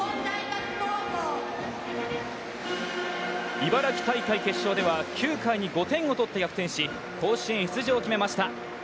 茨城大会決勝では９回に５点を取って逆転し甲子園出場を決めました。